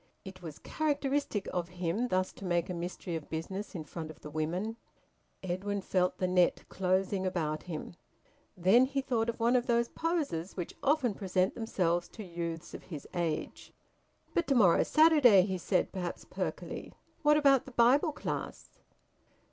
It was characteristic of him thus to make a mystery of business in front of the women. Edwin felt the net closing about him. Then he thought of one of those `posers' which often present themselves to youths of his age. "But to morrow's Saturday," he said, perhaps perkily. "What about the Bible class?"